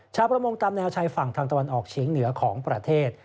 ชาวประมงตามแนวชายฝั่งทางตะวันออกเฉียงเหนือของประเทศ